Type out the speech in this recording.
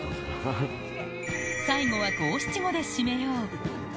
最後は五七五で締めよう。